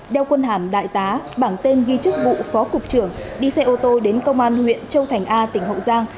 đeo quân hàm đại tá bảng tên ghi chức vụ phó cục trưởng đi xe ô tô đến công an huyện châu thành a tỉnh hậu giang